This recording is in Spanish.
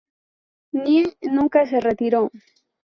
Nye nunca se retiró.